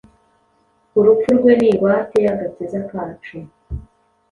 Urupfu rwe ni ingwate y’agakiza kacu.